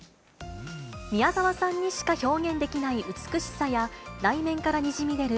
宮沢さんにしか表現できない美しさや、内面からにじみ出る